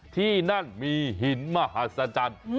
ที่นั่นมีหินมหัศจรรย์